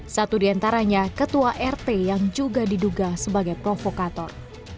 satu diantaranya ketua rt yang juga diduga sebagai provokator